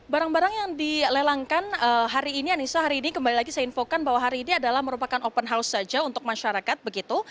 barang barang yang dilelangkan hari ini anissa hari ini kembali lagi saya infokan bahwa hari ini adalah merupakan open house saja untuk masyarakat begitu